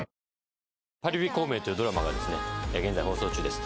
『パリピ孔明』というドラマが現在放送中です。